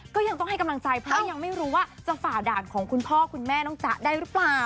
ก็ยังต้องให้กำลังใจเพราะว่ายังไม่รู้ว่าจะฝ่าด่านของคุณพ่อคุณแม่น้องจ๊ะได้หรือเปล่า